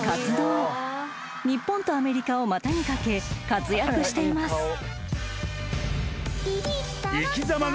［日本とアメリカを股に掛け活躍しています］